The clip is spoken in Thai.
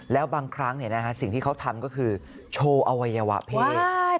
แล้วบางครั้งสิ่งที่เขาทำก็คือโชว์อวัยวะเพศ